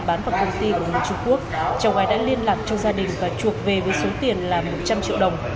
lâm đã bán vào công ty của trung quốc cháu gái đã liên lạc cho gia đình và chuộc về với số tiền là một trăm linh triệu đồng